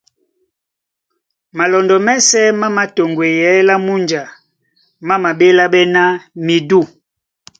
Malɔndɔ́ mɛ́sɛ̄ má mātoŋgweyɛɛ́ lá múnja, má maɓéláɓɛ́ ná midû.